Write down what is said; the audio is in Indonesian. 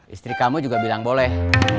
istri kamu juga bilang boleh